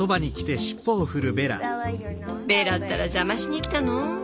ベラったら邪魔しにきたの？